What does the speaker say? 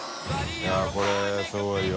いやっこれすごいわ。